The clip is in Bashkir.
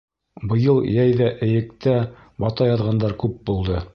Быйыл йәй ҙә Эйектә бата яҙғандар күп булды.